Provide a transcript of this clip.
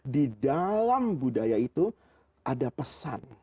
di dalam budaya itu ada pesan